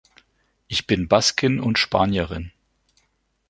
Ich bin Baskin und Spanierin.